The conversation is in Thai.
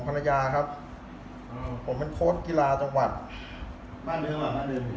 ภรรยาครับอ่าผมเป็นโค้ดกีฬาจังหวัดบ้านเดิมอ่ะบ้านเดิม